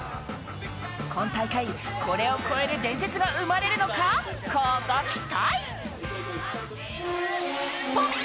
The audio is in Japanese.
今大会、これを超える伝説が生まれるのか、こうご期待。